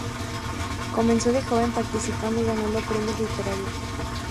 Comenzó de joven participando y ganando premios literarios.